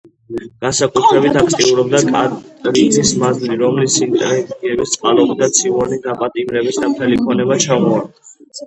განსაკუთრებით აქტიურობდა კატრინის მაზლი, რომლის ინტრიგების წყალობითაც ოუენი დააპატიმრეს და მთელი ქონება ჩამოართვეს.